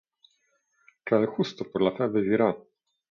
Que el justo por la fe vivirá.